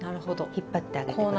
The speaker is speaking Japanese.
引っ張ってあげて下さい。